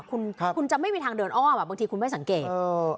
คุณจะไม่มีทางเดินอ้อมบางทีคุณไม่สังเกต